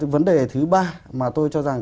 vấn đề thứ ba mà tôi cho rằng